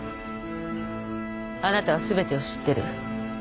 あなたは全てを知ってる。